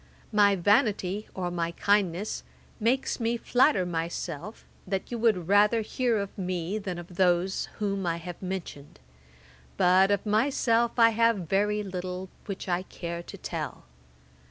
] 'My vanity, or my kindness, makes me flatter myself, that you would rather hear of me than of those whom I have mentioned; but of myself I have very little which I care to tell.